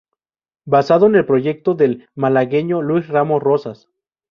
Basado en el proyecto del malagueño Luis Ramos Rosas.